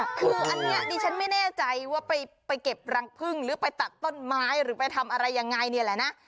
คืออันนี้ดิฉันไม่แน่ใจว่าไปเก็บรังพึ่งหรือไปตัดต้นไม้หรือไปทำอะไรยังไงเนี่ยแหละนะ